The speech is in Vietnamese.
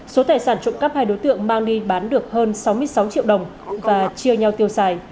số tài sản trộm cắp hai đối tượng mang đi bán được hơn sáu mươi sáu triệu đồng và chia nhau tiêu xài